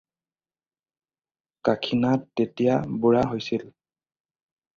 কাশীনাথ তেতিয়া বুঢ়া হৈছিল।